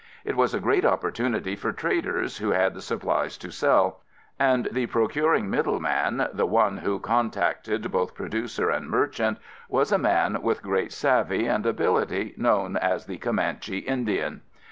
It was a great opportunity for traders who had the supplies to sell, and the procuring middle man, the one who contacted both producer and merchant, was a man with great savvy and ability known as the Comanche Indian.